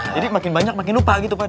jadi makin banyak makin lupa gitu pak de